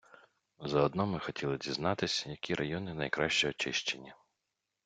Заодно ми хотіли дізнатись, які райони найкраще очищені.